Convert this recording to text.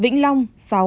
vĩnh long sáu